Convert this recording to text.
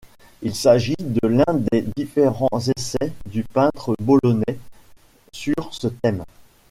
Il s'agit de l'un des différents essais du peintre bolonais sur ce thème.